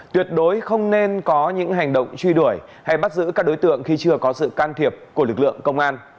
tuyệt đối không nên có những hành động truy đuổi hay bắt giữ các đối tượng khi chưa có sự can thiệp của lực lượng công an